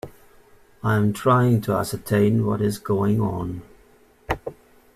I am trying to ascertain what is going on.